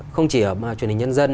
không chỉ ở truyền hình nhân dân